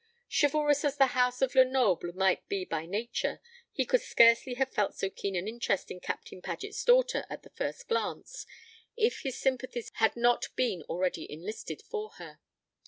Chivalrous as the house of Lenoble might be by nature, he could scarcely have felt so keen an interest in Captain Paget's daughter at the first glance, if his sympathies had not been already enlisted for her.